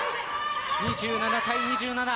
２７対２７。